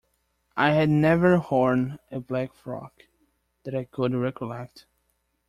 I had never worn a black frock, that I could recollect.